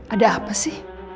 ada apa sih